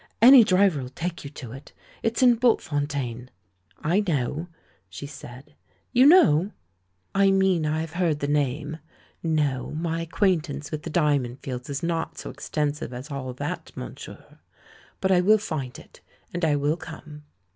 "Any driver '11 take you to it; it's in Bultfontein." "I know," she said. "You know?" THE LAURELS AND THE LADY 117 "I mean I have heard the name. No, my ac quaintance with the Diamond Fields is not so extensive as all that, monsieur! But I will find it, and I will come."